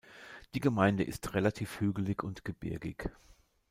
Die Gemeinde ist relativ hügelig und gebirgig.